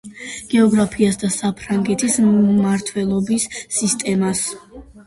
გეოგრაფიას და საფრანგეთის მმართველობის სისტემას.